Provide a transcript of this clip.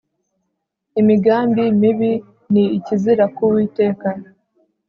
Imigambi mibi ni ikizira ku Uwiteka